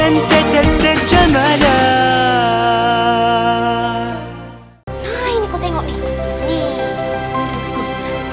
nah ini kok tengok nih